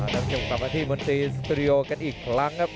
ต่อมาที่มนตรีสตูรีโอกันอีกครั้งครับ